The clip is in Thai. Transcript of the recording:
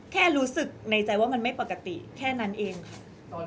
แค่รู้สึกในใจว่ามันไม่ปกติแค่นั้นเองค่ะ